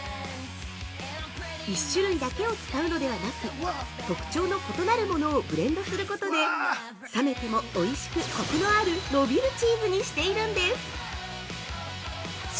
１種類だけを使うのではなく特徴の異なるものをブレンドすることで冷めてもおいしくコクのある伸びるチーズにしているんです。